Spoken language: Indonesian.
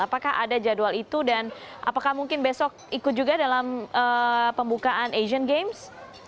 apakah ada jadwal itu dan apakah mungkin besok ikut juga dalam pembukaan asian games